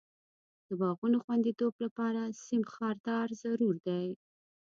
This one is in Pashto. د باغونو خوندیتوب لپاره سیم خاردار ضرور دی.